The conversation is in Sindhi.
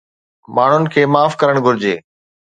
ماڻهن کي معاف ڪرڻ گهرجي